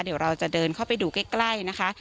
เดี๋ยวเราจะเดินเข้าไปดูใกล้นะคะ